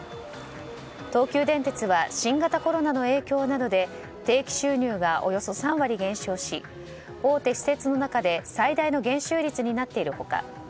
東急電鉄は新型コロナの影響などで定期収入がおよそ３割減少し大手私鉄の中で最大の減収率になっている他